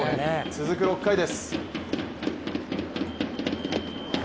続く６回です。